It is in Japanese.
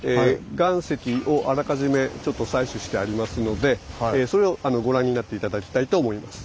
岩石をあらかじめちょっと採取してありますのでそれをご覧になって頂きたいと思います。